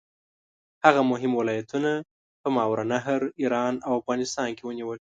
هغه مهم ولایتونه په ماوراالنهر، ایران او افغانستان کې ونیول.